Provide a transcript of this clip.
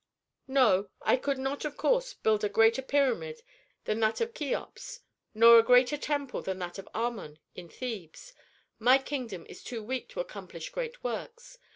"No. I could not, of course, build a greater pyramid than that of Cheops, nor a greater temple than that of Amon in Thebes. My kingdom is too weak to accomplish great works.